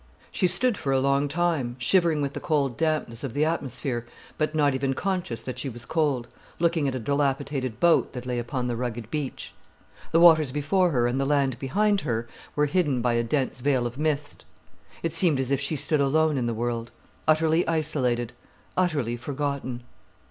She stood for a long time, shivering with the cold dampness of the atmosphere, but not even conscious that she was cold, looking at a dilapidated boat that lay upon the rugged beach. The waters before her and the land behind her were hidden by a dense veil of mist. It seemed as if she stood alone in the world, utterly isolated, utterly forgotten.